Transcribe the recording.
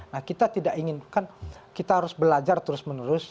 nah kita tidak inginkan kita harus belajar terus menerus